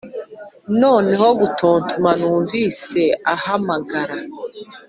noneho gutontoma numvise ahamagara;